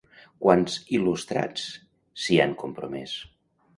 Quants il·lustrats s'hi han compromès?